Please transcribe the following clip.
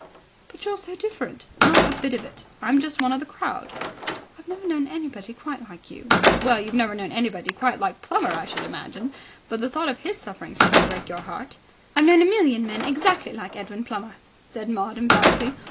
"But you're so different." "Not a bit of it. I'm just one of the crowd." "I've never known anybody quite like you." "Well, you've never known anybody quite like Plummer, I should imagine. But the thought of his sufferings didn't break your heart." "I've known a million men exactly like Edwin Plummer," said Maud emphatically.